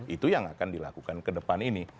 itu yang akan dilakukan kedepan ini